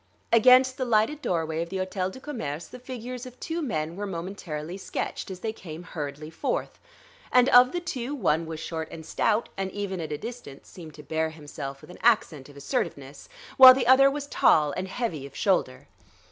Against the lighted doorway of the Hôtel du Commerce, the figures of two men were momentarily sketched, as they came hurriedly forth; and of the two, one was short and stout, and even at a distance seemed to bear himself with an accent of assertiveness, while the other was tall and heavy of shoulder.